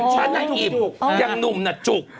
ฉันน่าอิ่มยังหนุ่มน่าจุก